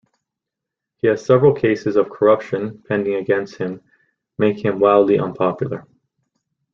He has several cases of corruption pending against him making him widely unpopular.